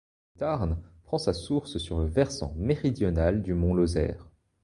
Le Tarn prend sa source sur le versant méridional du mont Lozère.